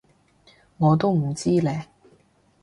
我就唔知喇